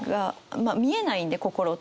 見えないんで心って。